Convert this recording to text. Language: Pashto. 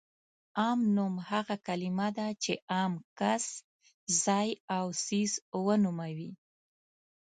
عام نوم هغه کلمه ده چې عام کس، ځای او څیز ونوموي.